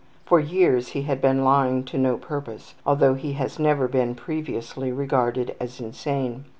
For years he has been lying to no purpose, although he has never been previously regarded as insane.